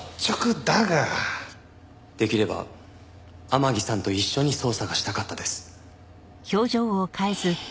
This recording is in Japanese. できれば天樹さんと一緒に捜査がしたかったです。